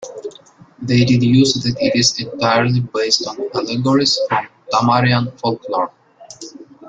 They deduce that it is entirely based on allegories from Tamarian folklore.